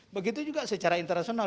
begitu juga secara internasional